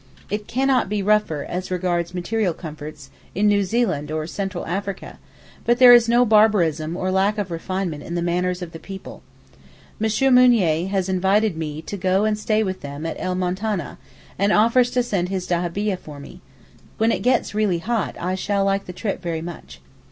It cannot be rougher, as regards material comforts, in New Zealand or Central Africa, but there is no barbarism or lack of refinement in the manners of the people. M. Mounier has invited me to go and stay with them at El Moutaneh, and offers to send his dahabieh for me. When it gets really hot I shall like the trip very much.